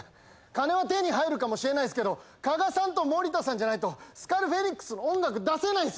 金は手に入るかもしれないですけど加賀さんと森田さんじゃないとスカルフェニックスの音楽出せないんです。